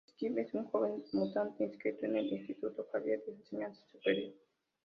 Spike es un joven mutante inscrito en el Instituto Xavier de Enseñanza Superior.